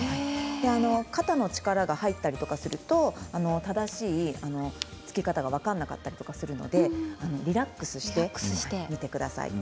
肩の力が入ったりすると正しいつき方が分からなかったりするので、リラックスして見てください。